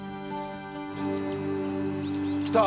来た！